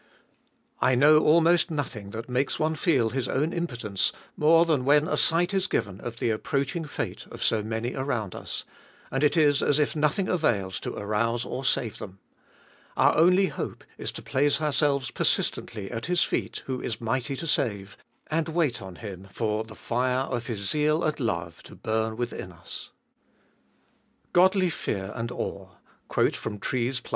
7. / know almost nothing that makes one feel his own impotence more than when a sight is given of the approaching fate of so many around us, and it is as if nothing avails to arouse or saue them. Our only hope is to place ourselves persistently at His feet who is mighty to save, and wait on Him for the fire of His zeal and love to burn within us. 2. Godly fear and awe.